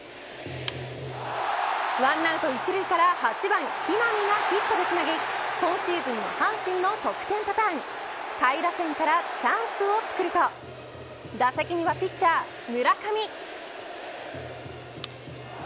１アウト１塁から８番木浪がヒットでつなぎ今シーズンの阪神の得点パターン下位打線からチャンスをつくると打席にはピッチャー村上。